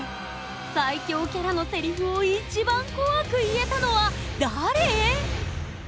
最恐キャラのセリフを一番怖く言えたのは誰？